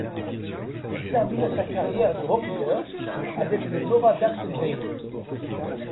Il termina sa carrière de hockeyeur avec le Nova d'Acton Vale.